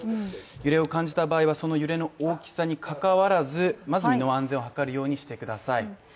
揺れを感じた場合はその揺れの大きさにかかわらずまず身の安全を図るようにしてください。